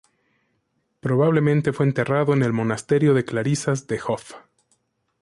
Probablemente fue enterrado en el monasterio de clarisas de Hof.